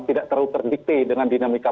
tidak terlalu terdikte dengan dinamika